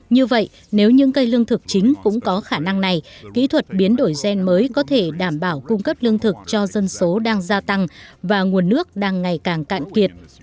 như vậy nếu những cây lương thực chính cũng có khả năng này kỹ thuật biến đổi gen mới có thể đảm bảo cung cấp lương thực cho dân số đang gia tăng và nguồn nước đang ngày càng cạn kiệt